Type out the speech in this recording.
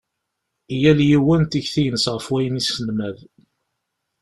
Yal yiwen tikti-ines ɣef wayen iselmad.